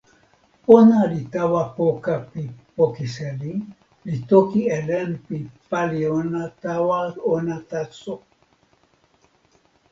ona li tawa poka pi poki seli, li toki e len pi pali ona tawa ona taso.